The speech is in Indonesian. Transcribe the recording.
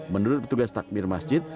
menurut petugas takbir masjid